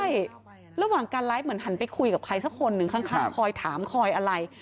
ใช่ระหว่างการไลฟ์เหมือนหันไปคุยกับใครสักคนหนึ่งข้างคอยถามคอยอะไร